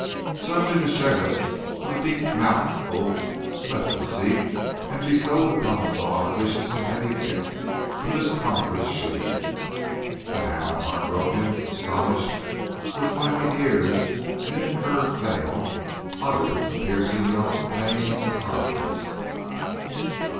Suddenly the sheriff, with a deep mouthed oath, left his seat and, bestowed upon the dog a vicious and heavy kick, with his ponderous shoe. The hound, heartbroken, astonished, with flapping ears and incurved tail, uttered a piercing yelp of pain and surprise.